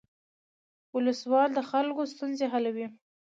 ولسوال د خلکو ستونزې حلوي